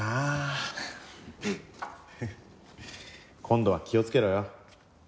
今度は気をつけろよ。